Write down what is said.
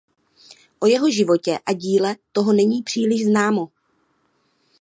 O jeho životě a díle toho není příliš známo.